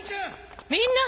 みんな！